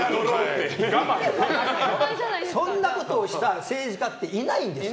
そんなことをした政治家っていないんですよ。